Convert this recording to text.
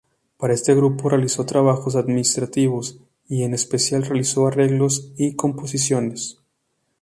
Para este grupo realizó trabajos administrativos y en especial realizó arreglos y composiciones.